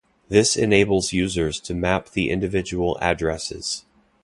This enables users to map the individual addresses.